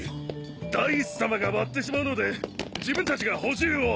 ダイスさまが割ってしまうので自分たちが補充を。